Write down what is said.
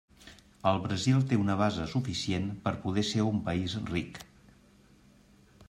El Brasil té una base suficient per poder ser un país ric.